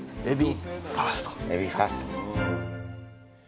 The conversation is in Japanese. エビファースト。